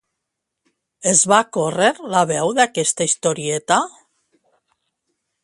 Es va córrer la veu d'aquesta historieta?